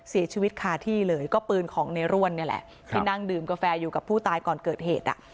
เสียชีวิตคาที่เลยก็ปืนของในร่วนนี่แหละที่นั่งดื่มกาแฟอยู่กับผู้ตายก่อนเกิดเหตุอ่ะ